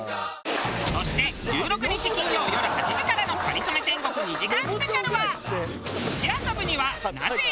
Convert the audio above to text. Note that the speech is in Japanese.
そして１６日金曜よる８時からの『かりそめ天国』２時間スペシャルは。